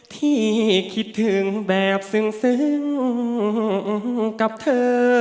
ที่คิดถึงแบบซึ้งกับเธอ